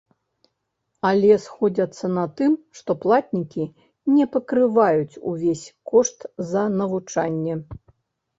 Але сходзяцца на тым, што платнікі не пакрываюць увесь кошт за навучанне.